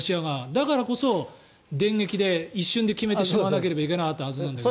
だからこそ電撃で一瞬で決めてしまわなければいけないはずだった。